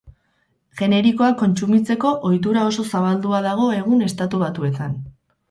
Generikoak kontsumitzeko ohitura oso zabaldua dago egun Estatu Batuetan.